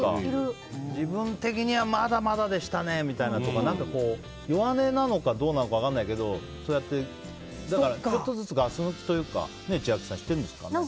自分的にはまだまだでしたねとか弱音なのかどうなのか分かんないけどそうやってちょっとずつガス抜きというか千秋さん、してるんですかね。